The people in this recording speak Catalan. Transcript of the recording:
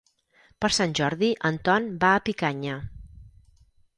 Per Sant Jordi en Ton va a Picanya.